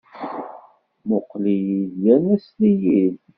Mmuqqel-iyi-d yerna sel-iyi-d.